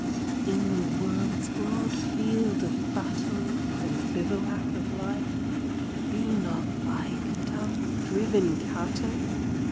In the world's broad field of battle, In the bivouac of Life, Be not like dumb, driven cattle